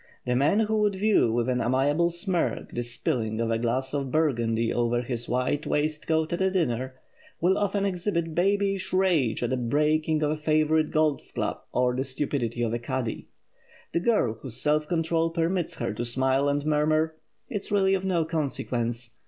The man who would view with an amiable smirk the spilling of a glass of Burgundy over his white waistcoat at a dinner, will often exhibit babyish rage at the breaking of a favorite golf club or the stupidity of a caddie. The girl whose self control permits her to smile and murmur: "It's really of no consequence!"